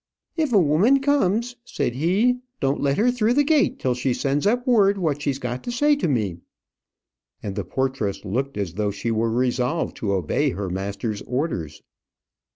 'If a woman comes,' said he, 'don't let her through the gate till she sends up word what she's got to say to me.'" And the portress looked as though she were resolved to obey her master's orders.